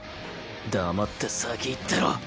黙って先行ってろ！